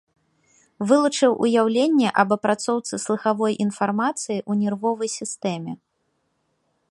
Вылучыў уяўленне аб апрацоўцы слыхавой інфармацыі ў нервовай сістэме.